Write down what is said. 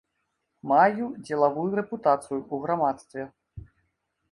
Маю дзелавую рэпутацыю ў грамадстве.